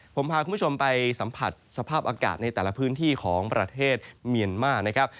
ผมพาคุณผู้ชมไปสัมผัสสภาพอากาศในแต่ละพื้นที่ของประเทศเมียนมานะครับ